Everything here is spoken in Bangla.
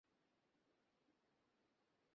তারপর বলুন আপনি কী করলেন।